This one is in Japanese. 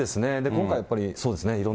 今回やっぱり、そうですね、いろ